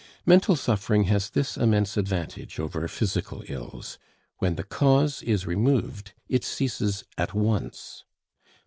Mental suffering has this immense advantage over physical ills when the cause is removed it ceases at once.